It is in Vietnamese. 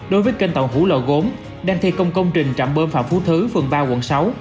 đối với kênh tàu hũ lò gốn đang thi công công trình trạm bơm phạm phú thứ phường ba quận sáu